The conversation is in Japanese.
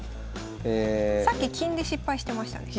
さっき金で失敗してましたね。